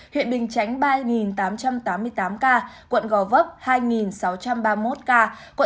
huyện bình chánh ba tám trăm tám mươi tám ca quận gò vấp hai sáu trăm ba mươi một ca